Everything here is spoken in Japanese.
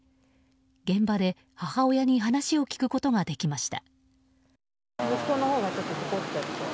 現場で母親に話を聞くことができました。